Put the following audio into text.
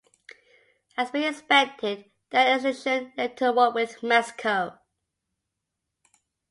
As many expected, the annexation led to war with Mexico.